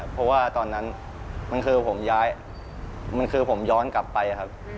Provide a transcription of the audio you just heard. เพราะว่าตอนนั้นมันคือมันผมย้อนกลับเปล่าครับ